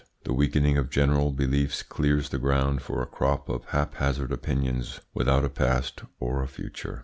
The weakening of general beliefs clears the ground for a crop of haphazard opinions without a past or a future.